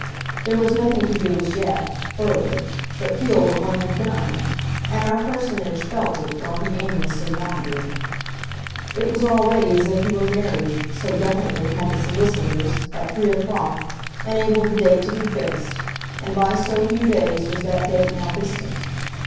There was nothing to do as yet, further, but feel what one had done, and our personage felt it while he aimlessly wandered. It was already as if he were married, so definitely had the solicitors, at three o'clock, enabled the date to be fixed, and by so few days was that date now distant.